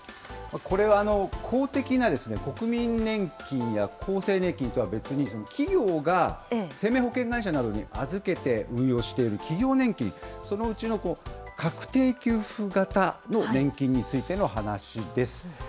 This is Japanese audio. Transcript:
これは公的な国民年金や厚生年金とは別に、企業が生命保険会社などに預けて運用している企業年金、そのうちの確定給付型の年金についての話です。